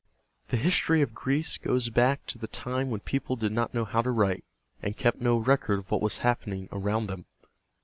The history of Greece goes back to the time when people did not know how to write, and kept no record of what was happening around them.